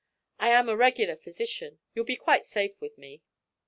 I am a regular physician you'll be quite safe with me.'